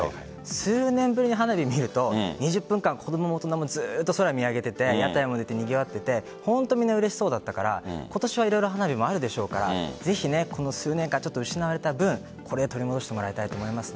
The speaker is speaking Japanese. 数年ぶりに花火を見ると２０分間、子供も大人もずっと空を見上げて屋台も出ててにぎわっていてうれしそうだったから今年は色々花火もあるでしょうからぜひ、数年間失われた分取り戻してもらいたいと思います。